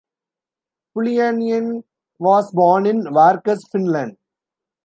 Pulliainen was born in Varkaus, Finland.